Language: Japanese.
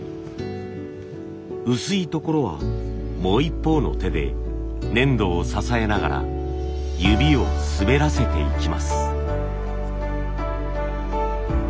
薄いところはもう一方の手で粘土を支えながら指を滑らせていきます。